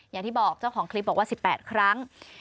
อย่างที่บอกเจ้าของคลิปบอกว่า๑๘ครั้ง